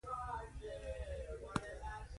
زما مرۍ خپه کوې او ما خورې.